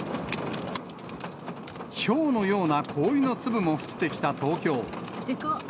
ひょうのような氷の粒も降ってきた東京。